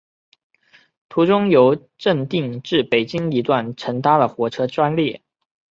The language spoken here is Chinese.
途中由正定至北京一段乘搭了火车专列。